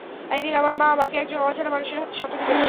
একদিন, আমার মা আমাকে একজন অজানা মানুষের হাতে সঁপে দিলেন।